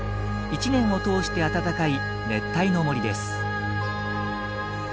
１年を通して暖かい熱帯の森です。